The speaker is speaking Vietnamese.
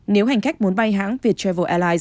nếu hành khách muốn bay hãng viettravel allies